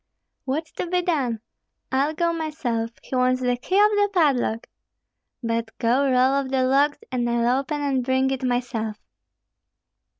What's to be done? I'll go myself; he wants the key of the padlock! But go roll off the logs, and I'll open and bring it myself."